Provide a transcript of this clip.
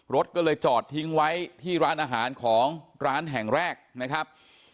รถก็เลยจอดทิ้งไว้ที่ร้านอาหารของร้านแห่งแรกนะครับ